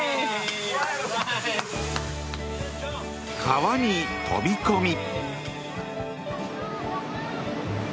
川に飛び込み！